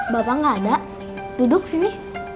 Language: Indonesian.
bapak nggak ada duduk sini